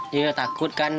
dia sudah takut kan